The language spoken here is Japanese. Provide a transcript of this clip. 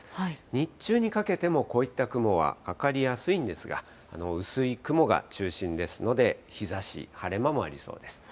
日中にかけてもこういった雲はかかりやすいんですが、薄い雲が中心ですので、日ざし、晴れ間もありそうです。